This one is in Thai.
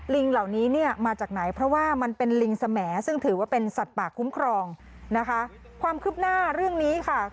ลิงเหล่านี้มาจากไง